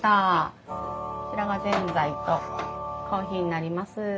こちらがぜんざいとコーヒーになります。